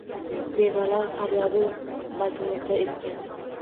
Bevalar faryodi pajmurda etgan